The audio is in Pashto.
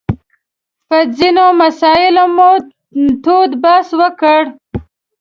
په ځینو مسایلو مو تود بحث وکړ.